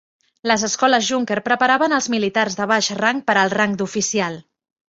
Les escoles Junker preparaven els militars de baix rang per al rang d'oficial.